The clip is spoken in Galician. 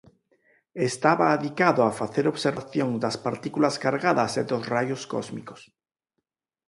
Estaba adicado a facer observacións das partículas cargadas e dos raios cósmicos.